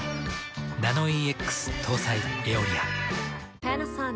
ナノイーＸ搭載「エオリア」。